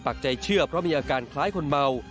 ใจเชื่อเพราะมีอาการคล้ายคนเมา